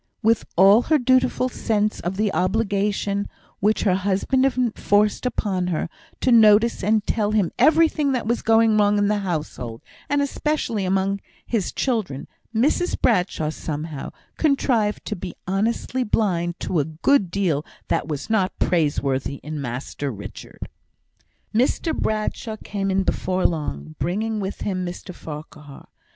With all her dutiful sense of the obligation, which her husband enforced upon her, to notice and tell him everything that was going wrong in the household, and especially among his children, Mrs Bradshaw, somehow, contrived to be honestly blind to a good deal that was not praiseworthy in Master Richard. Mr Bradshaw came in before long, bringing with him Mr Farquhar.